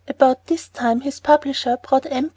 About this time his publisher brought N.